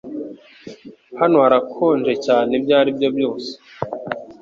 Hano harakonje cyane ibyo ari byo byose